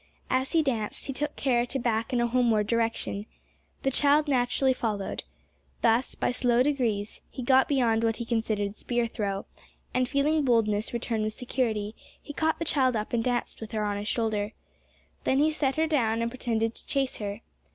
As he danced he took care to back in a homeward direction. The child naturally followed. Thus, by slow degrees, he got beyond what he considered spear throw, and feeling boldness return with security, he caught the child up and danced with her on his shoulder. Then he set her down, and pretended to chase her.